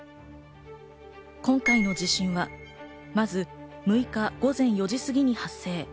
今回の地震は、まず６日、午前４時過ぎに発生。